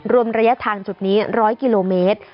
รวมระยะทางจุดนี้๑๐๐กิโลเมตร